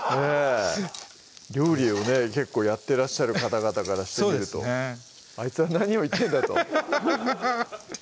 料理をやってらっしゃる方々からしてみるとあいつは何を言ってんだとハハハハッ